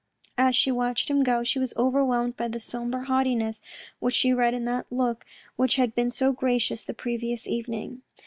As she watched him go, she was overwhelmed by the sombre haughtiness which she read in that look which had been so gracious the previous evening.